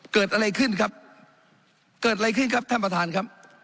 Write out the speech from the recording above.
เกิดอะไรขึ้นครับเกิดอะไรขึ้นครับท่านประธานครับ